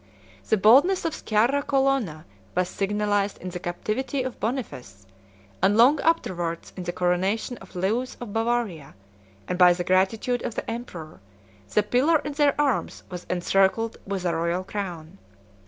The boldness of Sciarra Colonna was signalized in the captivity of Boniface, and long afterwards in the coronation of Lewis of Bavaria; and by the gratitude of the emperor, the pillar in their arms was encircled with a royal crown.